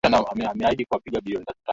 Wanahabari walikataliwa kwenye sherehe